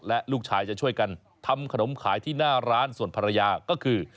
และลูกชายจะช่วยกันทำขนมขายที่หน้าร้านส่วนภรรยาก็คือ